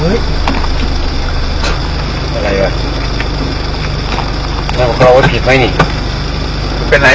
โหโหเฮ้ยอะไรวะนั่งกล้าวไว้ผิดไหมนี่เป็นไงเปล่าล่ะ